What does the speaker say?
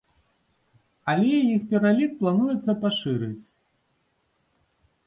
Але іх пералік плануецца пашырыць.